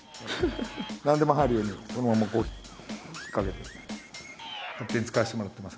何でも入るようにこのまんまこう引っ掛けて勝手に使わせてもらってます。